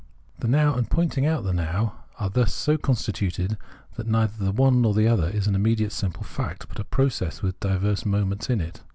The Now and pointing out the Now are thus so constituted that neither the one nor the other is an immediate simple fact, but a process with diverse moments in it.